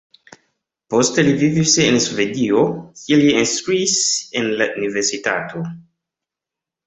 Poste li vivis en Svedio, kie li instruis en la universitato.